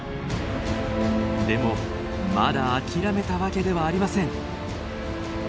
でもまだ諦めたわけではありません。